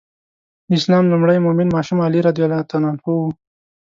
د اسلام لومړی مؤمن ماشوم علي رض و.